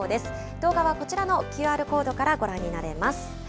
動画はこちらのＱＲコードからご覧になれます。